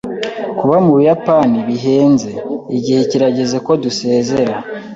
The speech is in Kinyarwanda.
Kuba mu Buyapani bihenze. Igihe kirageze ko dusezera.